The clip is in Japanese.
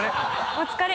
お疲れ。